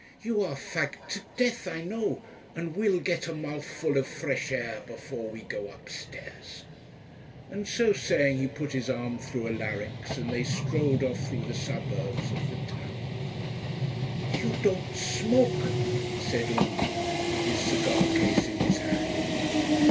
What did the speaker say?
'You are fagged to death, I know, and we'll get a mouthful of fresh air before we go upstairs,' and so saying he put his arm through Alaric's, and they strolled off through the suburbs of the town. 'You don't smoke,' said Undy, with his cigar case in his hand.